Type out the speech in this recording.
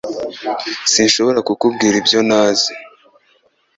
Sinshobora kukubwira ibyo ntazi